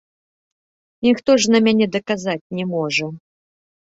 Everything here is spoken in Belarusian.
Ніхто ж на мяне даказаць не можа.